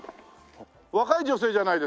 若い女性じゃないですか？